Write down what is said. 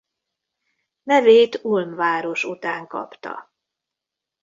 Nevét Ulm város után kapta.